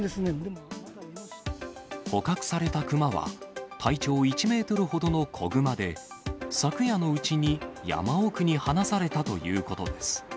捕獲されたクマは、体長１メートルほどの子グマで、昨夜のうちに山奥に放されたということです。